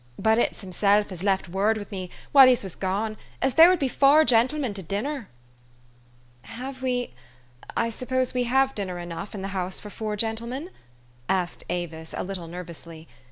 "But it's himself as left word wid me while yez was gone, as there would be four gentlemen to dinner." "Have we I suppose we have dinner enough in the house for four gentlemen?" asked Avis a little nervously.